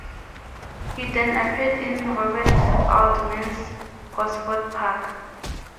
He then appeared in Robert Altman's "Gosford Park".